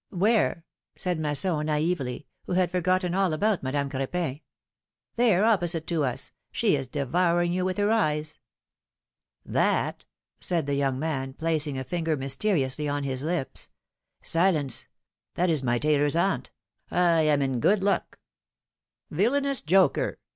^^ Where ? said Masson, naively, who had forgotten all about Madame Cr6pin. There, opposite to us ; she is devouring you with her eyes ! ^^That?^^ said the young man, placing a finger mysteri ously on his lips. Silence! That is my tailoPs aunt; I am in good luck ! Villanous joker